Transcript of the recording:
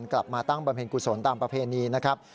กลับมาตั้งบำเพ็ญกุศลตามประเพณีนะครับ